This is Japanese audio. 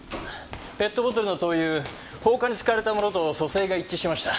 ペットボトルの灯油放火に使われたものと組成が一致しました。